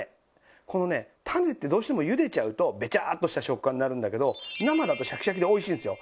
このね種ってどうしてもゆでちゃうとべちゃっとした食感になるんだけど生だとシャキシャキでおいしいんですよ。